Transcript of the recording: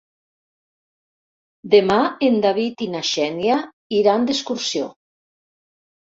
Demà en David i na Xènia iran d'excursió.